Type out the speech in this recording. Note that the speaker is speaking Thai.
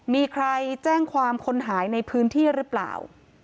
มีใครแจ้งความคนหายในพื้นที่หรือเปล่า